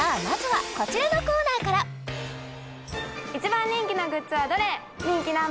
まずはこちらのコーナーから一番人気のグッズはどれ人気Ｎｏ．１